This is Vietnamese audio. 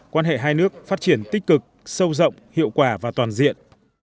quan hệ hai nước phát triển tích cực sâu rộng hiệu quả và toàn diện